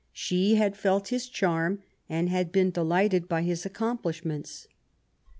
She had felt his charm, and had been delighted by his accomplishments.